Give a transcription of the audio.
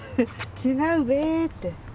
「違うべ」って。